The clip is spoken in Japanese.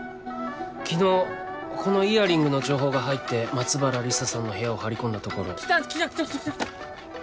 昨日このイヤリングの情報が入って松原理沙さんの部屋を張り込んだところ。来た来た来た来た！